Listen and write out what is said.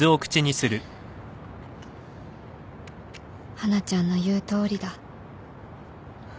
華ちゃんの言うとおりだ